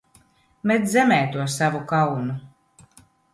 Met zemē to savu kaunu!